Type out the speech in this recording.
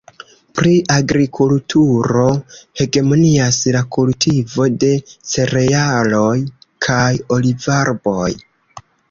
Pri agrikulturo hegemonias la kultivo de cerealoj kaj olivarboj.